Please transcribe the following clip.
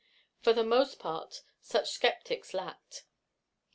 For the most part, such skeptics lacked.